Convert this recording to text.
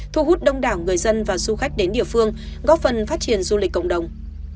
thu hút đông đảo người dân và du khách đến địa phương góp phần phát triển du lịch cộng đồng